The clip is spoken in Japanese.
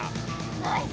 ナイス。